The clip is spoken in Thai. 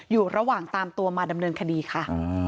อยู่ระหว่างตามตัวมาดำเนินคดีค่ะ